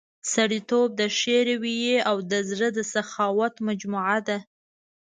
سړیتوب د ښې رويې او د زړه سخاوت مجموعه ده.